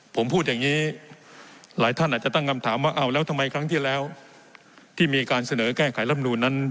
ผมพูดอย่างนี้หลายท่านอาจจะตั้งคำถามว่า